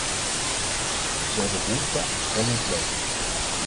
Ze hebben behoefte aan strenge quota.